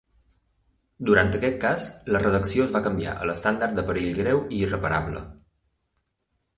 Durant aquest cas, la redacció es va canviar a l'estàndard de perill greu i irreparable.